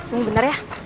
tunggu bentar ya